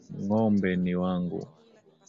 Ngo`mbe ni wangu.